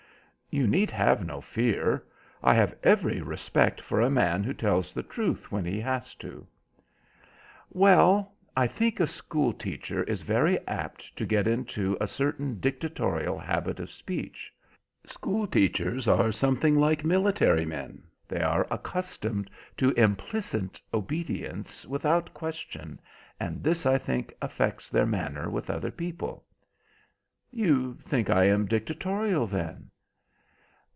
"You need have no fear. I have every respect for a man who tells the truth when he has to." "Well, I think a school teacher is very apt to get into a certain dictatorial habit of speech. School teachers are something like military men. They are accustomed to implicit obedience without question, and this, I think, affects their manner with other people." "You think I am dictatorial, then?"